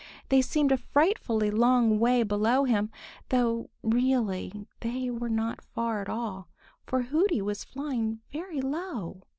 They seemed a frightfully long way below him, though really they were not far at all, for Hooty was flying very low.